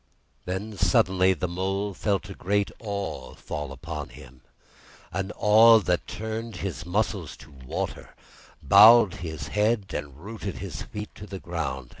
Then suddenly the Mole felt a great Awe fall upon him, an awe that turned his muscles to water, bowed his head, and rooted his feet to the ground.